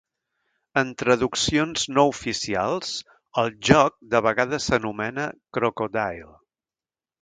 En traduccions no oficials, el joc de vegades s'anomena "Crocodile".